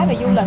về du lịch